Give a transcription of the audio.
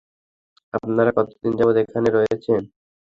আপনারা কতদিন যাবৎ এখানে রয়েছেন?